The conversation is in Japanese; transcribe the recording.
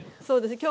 そうです。